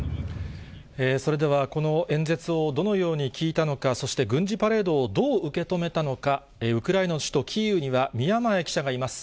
それではこの演説をどのように聞いたのか、そして軍事パレードをどう受け止めたのか、ウクライナの首都キーウには、宮前記者がいます。